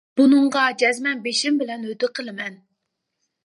-بۇنىڭغا جەزمەن بېشىم بىلەن ھۆددە قىلىمەن!